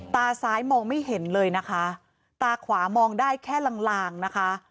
ตาซ้ายมองไม่เห็นเลยนะคะตาขวามองได้แค่ลางลางนะคะ